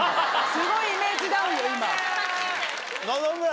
すごいイメージダウンよ今。